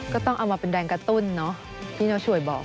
ก็ต้องเอามาเป็นแรงกระตุ้นเนอะพี่น้าช่วยบอก